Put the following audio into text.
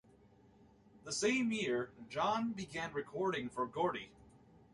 The same year, John began recording for Gordy.